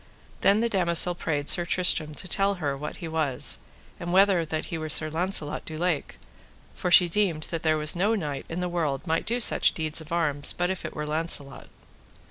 Then the damosel prayed Sir Tristram to tell her what he was, and whether that he were Sir Launcelot du Lake, for she deemed that there was no knight in the world might do such deeds of arms but if it were Launcelot.